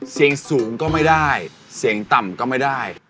เสียงสูงก็ไม่ได้เสียงต่ำก็ไม่ได้